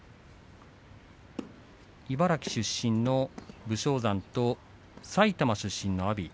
茨城出身の武将山と埼玉出身の阿炎。